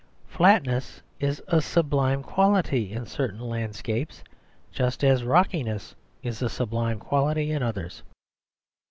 Flatness is a sublime quality in certain landscapes, just as rockiness is a sublime quality in others.